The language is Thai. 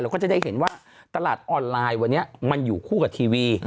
ก็จะได้เห็นว่าตลาดออนไลน์วันนี้มันอยู่คู่กับทีวี